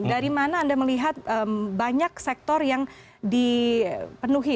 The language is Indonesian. dari mana anda melihat banyak sektor yang dipenuhi